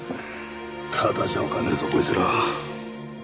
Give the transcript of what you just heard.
ただじゃおかねえぞこいつら。